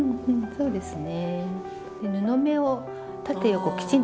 そうですね。